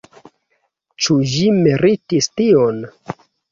Ĉu ĝi meritis tion?